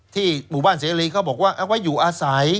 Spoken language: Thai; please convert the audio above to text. หมู่บ้านเสรีเขาบอกว่าเอาไว้อยู่อาศัย